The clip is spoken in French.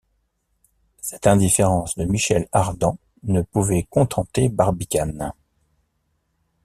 Cette indifférence de Michel Ardan ne pouvait contenter Barbicane.